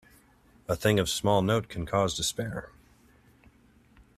A thing of small note can cause despair.